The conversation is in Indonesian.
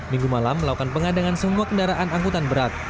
minggu malam melakukan pengadangan semua kendaraan angkutan berat